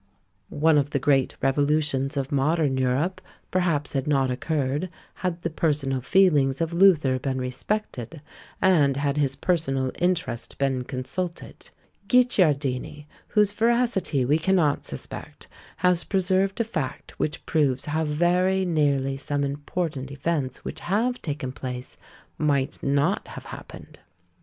One of the great revolutions of Modern Europe perhaps had not occurred, had the personal feelings of Luther been respected, and had his personal interest been consulted. Guicciardini, whose veracity we cannot suspect, has preserved a fact which proves how very nearly some important events which have taken place, might not have happened!